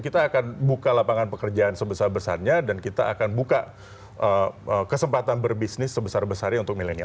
kita akan buka lapangan pekerjaan sebesar besarnya dan kita akan buka kesempatan berbisnis sebesar besarnya untuk milenial